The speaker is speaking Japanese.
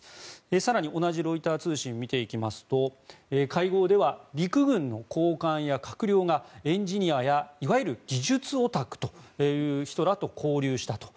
更に、同じロイター通信見ていきますと会合では陸軍の高官や閣僚がエンジニアやいわゆる技術オタクという人らと交流したと。